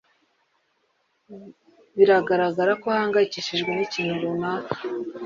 biragaragara ko ahangayikishijwe n'ikintu runaka.